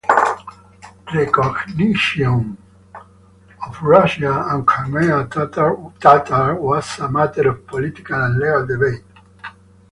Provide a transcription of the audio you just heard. Recognition of Russian and Crimean Tatar was a matter of political and legal debate.